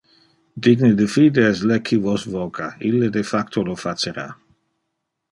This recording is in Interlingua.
Digne de fide es le qui vos voca, ille de facto lo facera.